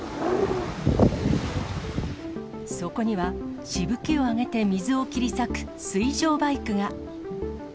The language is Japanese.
そこには、しぶきを上げて水を切り裂く水上バイクが。